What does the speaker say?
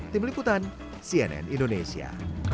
tim liputan cnn indonesia